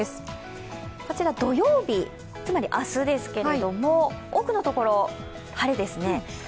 土曜日、つまり明日ですけれども多くのところ、晴れですね。